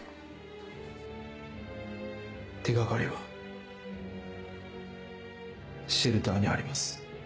手掛かりはシェルターにあります。